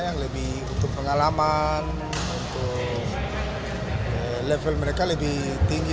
yang lebih untuk pengalaman untuk level mereka lebih tinggi